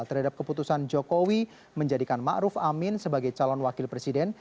terhadap keputusan jokowi menjadikan ma'ruf amin sebagai calon wakil presiden